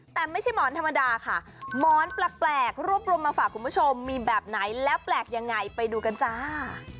แต่ไม่ใช่หมอนธรรมดาค่ะหมอนแปลกรวบรวมมาฝากคุณผู้ชมมีแบบไหนแล้วแปลกยังไงไปดูกันจ้า